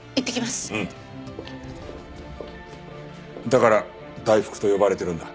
だから「大福」と呼ばれてるんだ。